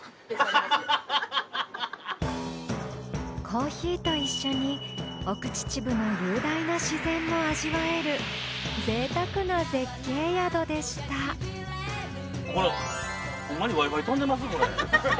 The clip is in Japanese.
コーヒーと一緒に奥秩父の雄大な自然も味わえるぜいたくな絶景宿でしたホンマにＷｉ−Ｆｉ飛んでます？